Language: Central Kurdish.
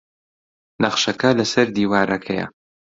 نەخشەکە لەسەر دیوارەکەیە.